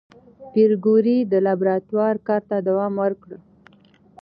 پېیر کوري د لابراتوار کار ته دوام ورکړ.